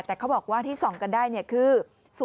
แต่เขาบอกว่าที่ส่องกันได้คือ